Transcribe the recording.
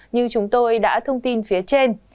như chúng tôi đã thông tin phía trên